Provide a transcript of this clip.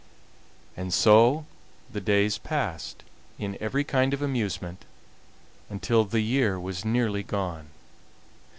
And so the days passed, in every kind of amusement, until the year was nearly gone.